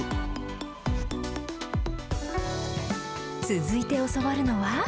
続いて教わるのは。